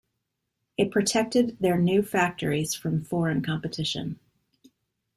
It protected their new factories from foreign competition.